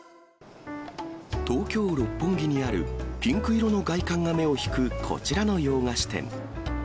東京・六本木にあるピンク色の外観が目を引くこちらの洋菓子店。